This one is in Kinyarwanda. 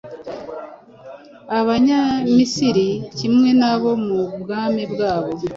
Abanyamisiri kimwe n’abo mu bwami bwabo